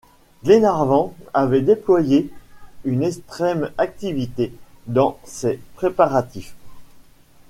Glenarvan avait déployé une extrême activité dans ses préparatifs.